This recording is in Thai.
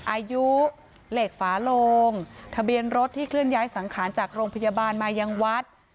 อายุเหล็กฝาโลงทะเบียนรถที่เคลื่อนย้ายสังขารจากโรงพยาบาลมายังวัด